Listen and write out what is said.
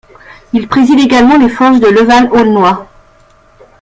Il préside également les forges de Leval-Aulnoye.